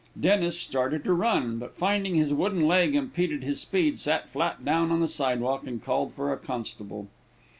Dennis started to run, but finding his wooden leg impeded his speed, sat flat down on the sidewalk and called for a constable.